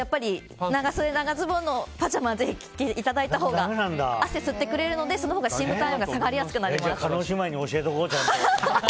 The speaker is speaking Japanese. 長袖長ズボンのパジャマを着ていただいたほうが汗を吸ってくれるので深部体温が下がりやすくなります。